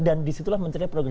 dan disitulah mencari program